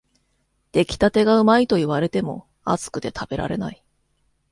出来たてがうまいと言われても、熱くて食べられない